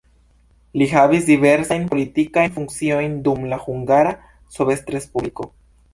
Li havis diversajn politikajn funkciojn dum la Hungara Sovetrespubliko.